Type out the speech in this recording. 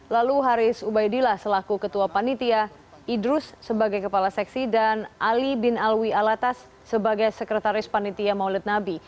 lalu haris ubaidillah selaku ketua panitia idrus sebagai kepala seksi dan ali bin alwi alatas sebagai sekretaris panitia maulid nabi